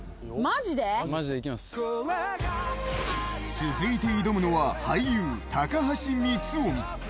続いて挑むのは俳優・高橋光臣。